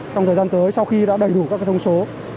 trong thời gian tới sau khi đã đầy đủ các thông số